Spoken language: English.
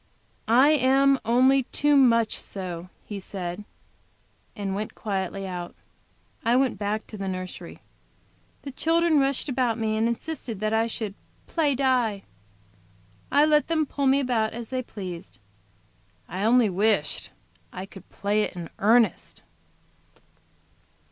"I am only too much so," he said, and went quietly out. I went back to the nursery. The children rushed upon me, and insisted that I should "play die." I let them pull me about as they pleased. I only wished I could play it in earnest.